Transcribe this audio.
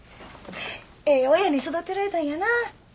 ええ親に育てられたんやな。